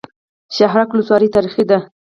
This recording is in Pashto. شهرک ولسوالۍ تاریخي ده؟